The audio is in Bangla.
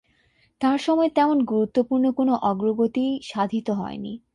তাঁর সময়ে তেমন গুরুত্বপূর্ণ কোনো অগ্রগতি সাধিত হয়নি।